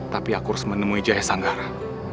tapi aku harus menemui jaya sanggara